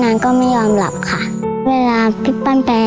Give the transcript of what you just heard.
โฟสเซน